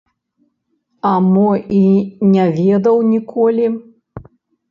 А мо і не ведаў ніколі!